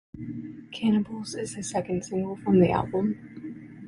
"Cannibals" is the second single from the album.